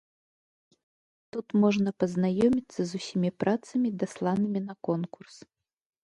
Тут можна пазнаёміцца з усімі працамі, дасланымі на конкурс.